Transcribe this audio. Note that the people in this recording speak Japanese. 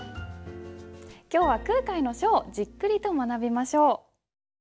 今日は空海の書をじっくりと学びましょう。